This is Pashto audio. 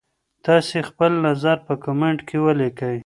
تاسي خپل نظر په کمنټ کي ولیکئ.